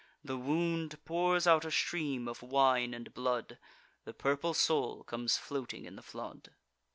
The wound pours out a stream of wine and blood; The purple soul comes floating in the flood.